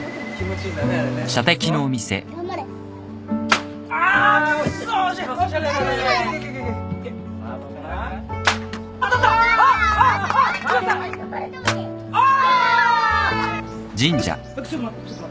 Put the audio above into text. ちょっと待ってちょっと待ってな。